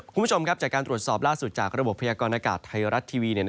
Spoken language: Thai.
คุณผู้ชมครับจากการตรวจสอบล่าสุดจากระบบพยากรณากาศไทยรัฐทีวี